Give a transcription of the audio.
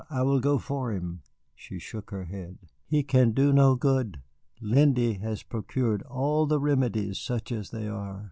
I will go for him." She shook her head. "He can do no good. Lindy has procured all the remedies, such as they are.